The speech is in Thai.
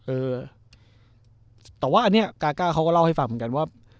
เออแต่ว่าอันนี้กาก้าเขาก็เล่าให้ฟังเหมือนกันว่า